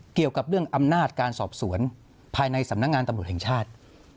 เกี่ยวกับเรื่องอำนาจการสอบสวนภายในสำนักงานตำรวจแห่งชาติ